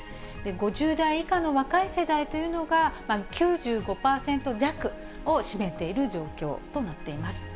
５０代以下の若い世代というのが、９５％弱を占めている状況となっています。